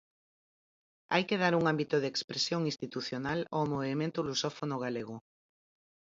Hai que dar un ámbito de expresión institucional ao movemento lusófono galego.